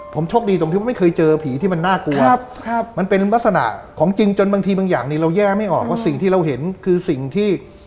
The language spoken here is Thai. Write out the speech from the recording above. ผมโชคดีตรงที่ว่าไม่เคยเจอผีที่มันน่ากลัวมันเป็นลักษณะของจริงจนบางทีบางอย่างนี้เราแย่ไม่ออกว่าสิ่งที่เราเห็นคือสิ่งที่